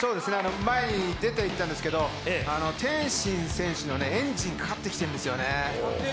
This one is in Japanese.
前に出ていったんですけど、天心選手のエンジンかかってきてるんですよね。